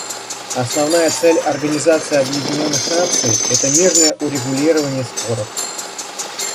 Основная цель Организации Объединенных Наций — это мирное урегулирование споров.